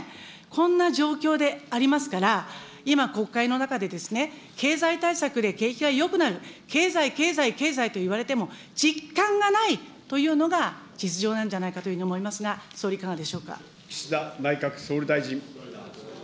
こんな状況でありますから、今、国会の中でですね、経済対策で景気がよくなる、経済、経済、経済と言われても、実感がないというのが実情なんじゃないかというふうに思いますが、岸田内閣総理大臣。